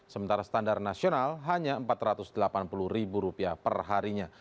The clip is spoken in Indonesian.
sementara standar nasional hanya empat ratus delapan puluh ribu rupiah per harinya